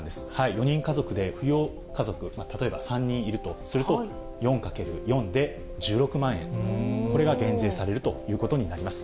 ４人家族で扶養家族、例えば３人いるとすると、４かける４で１６万円、これが減税されるということになります。